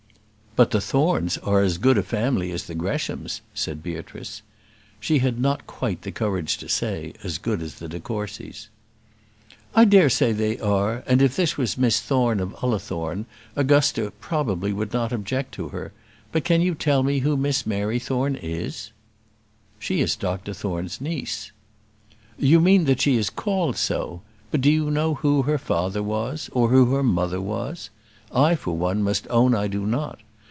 "But the Thornes are as good a family as the Greshams," said Beatrice. She had not quite the courage to say, as good as the de Courcys. "I dare say they are; and if this was Miss Thorne of Ullathorne, Augusta probably would not object to her. But can you tell me who Miss Mary Thorne is?" "She is Dr Thorne's niece." "You mean that she is called so; but do you know who her father was, or who her mother was? I, for one, must own I do not.